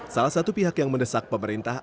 salah satu pihak yang mendesak pemerintah